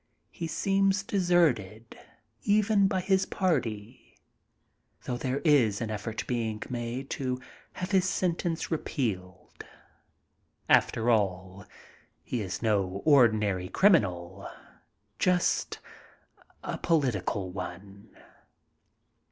He seems deserted even by his party, though there is an effort being made to have his sentence repealed. After all, he is no ordinary criminal. Just a political one.